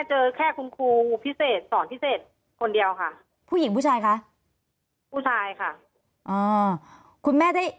ตอนที่จะไปอยู่โรงเรียนนี้แปลว่าเรียนจบมไหนคะ